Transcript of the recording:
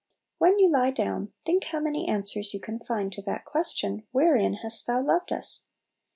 When you lie down, think how many Little Pillows. ig answers you can find to that question, "Wherein hast Thou loved us?"